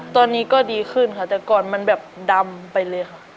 ตอนนี้ก็ดีขึ้นค่ะแต่ก่อนมันแบบดำไปเลยค่ะ